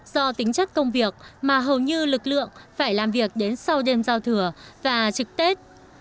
do tính chất công việc mà hầu như lực lượng phải làm việc đến sau đêm giao thừa và trực tết